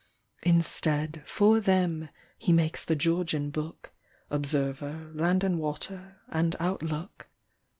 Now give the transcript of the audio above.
Instead, for them, he makes the Georgian book, Observer, Land and Water, and Outlook.